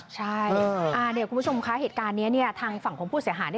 ใช่คุณผู้ชมคะเหตุการณ์นี้ทางฝั่งของผู้เสียหาย